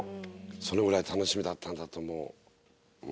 そのぐらい楽しみだったんだと思う。